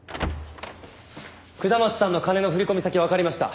下松さんの金の振込先わかりました。